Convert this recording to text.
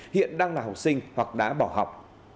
hiện đang là học sinh hoặc đã bỏ học